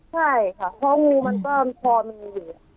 ใช่ค่ะเพราะงูมันก็พอมีอยู่